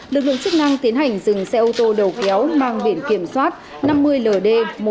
lực lượng chức năng tiến hành dừng xe ô tô đầu kéo mang biển kiểm soát năm mươi ld một mươi tám nghìn tám trăm chín mươi bốn